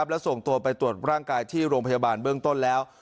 และส่งตัวไปตรวจร่างกายที่โรงพยาบาลเบื้องต้นแล้ว